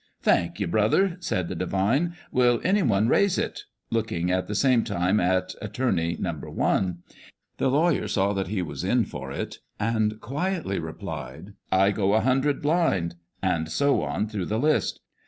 "Thank you, brother," said the divine, " will any one raise it ?" looking at the same time at attorney number one. The lawyer saw he was in for it, and quietly replied, " I go a hundred blind," and so on through the list.